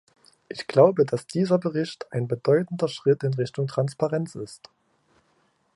Ich glaube, dass dieser Bericht ein bedeutender Schritt in Richtung Transparenz ist.